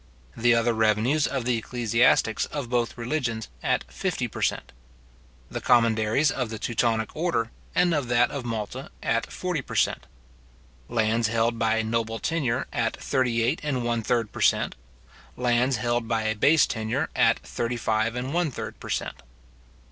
The other revenues of the ecclesiastics of both religions at fifty per cent. The commanderies of the Teutonic order, and of that of Malta, at forty per cent. Lands held by a noble tenure, at thirty eight and one third per cent. Lands held by a base tenure, at thirty five and one third per cent.